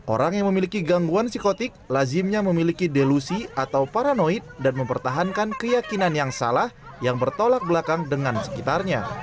orang yang memiliki gangguan psikotik lazimnya memiliki delusi atau paranoid dan mempertahankan keyakinan yang salah yang bertolak belakang dengan sekitarnya